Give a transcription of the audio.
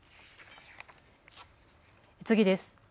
次です。